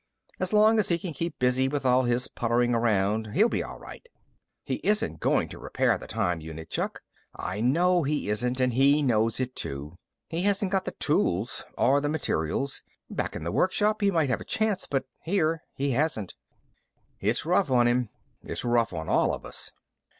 As long as he can keep busy with all his puttering around, he'll be all right." "He isn't going to repair the time unit, Chuck." "I know he isn't. And he knows it, too. He hasn't got the tools or the materials. Back in the workshop, he might have a chance, but here he hasn't." "It's rough on him." "It's rough on all of us."